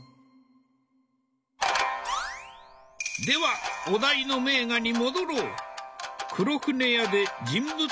ではお題の名画に戻ろう。